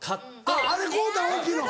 あれ買うたん大きいの。